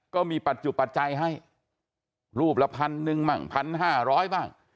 ก็มีปัจจุปัจจัยให้รูปละ๑๐๐๐๑๕๐๐บาง